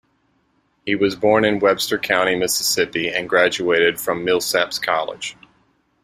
He was born in Webster County, Mississippi and graduated from Millsaps College.